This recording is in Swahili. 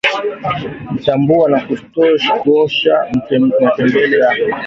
chambua na kuosha mtembele yako